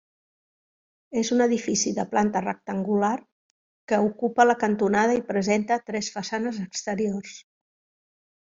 És un edifici de planta rectangular que ocupa la cantonada i presenta tres façanes exteriors.